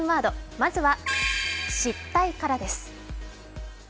まずは失態からです。